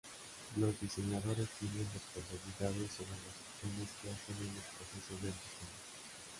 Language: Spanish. Los diseñadores tienen responsabilidad sobre las opciones que hacen en los procesos del diseño.